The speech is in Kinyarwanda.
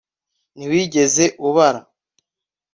Ntiwigeze ubara